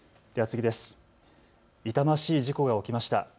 痛ましい事故が起きました。